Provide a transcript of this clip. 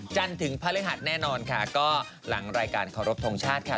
จันทร์ถึงพระฤหัสแน่นอนค่ะก็หลังรายการขอรบทรงชาติค่ะ